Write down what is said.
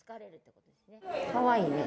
かわいいね。